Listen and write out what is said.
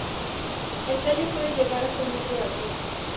El tallo puede llegar hasta un metro de altura.